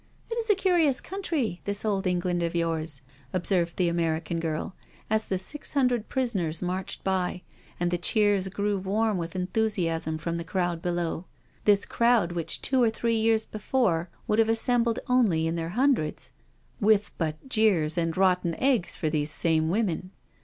It is a curious country, this old England of yours/' observed the American girl, as the six hun dred prisoners marched by, and the cheers grew warm with enthusiasm from the crowd below — this crowd which two or three years before would have assembled only in their hundreds, with but jeers and rotten eggs for these same women.